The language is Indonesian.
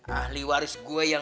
ahli waris gue yang